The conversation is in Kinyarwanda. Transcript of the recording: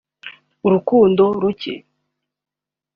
urukundo ruke